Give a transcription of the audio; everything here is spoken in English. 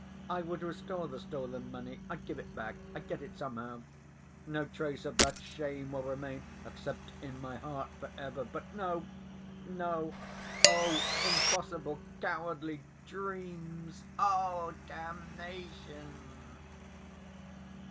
I would restore the stolen money. I'd give it back; I'd get it somehow.... No trace of that shame will remain except in my heart for ever! But no, no; oh, impossible cowardly dreams! Oh, damnation!"